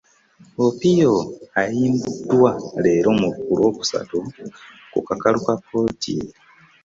Opio ayimbuddwa leero ku Lwokusatu ku kakalu ka kkooti